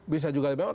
bisa juga lebih lama